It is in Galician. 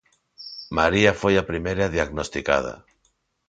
María foi a primeira diagnosticada.